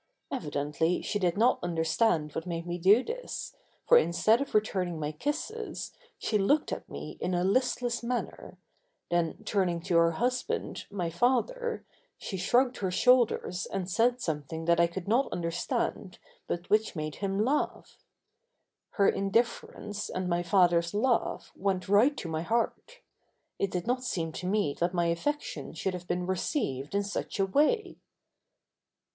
Evidently she did not understand what made me do this, for instead of returning my kisses she looked at me in a listless manner, then turning to her husband, my father, she shrugged her shoulders and said something that I could not understand but which made him laugh. Her indifference and my father's laugh went right to my heart. It did not seem to me that my affection should have been received in such a way.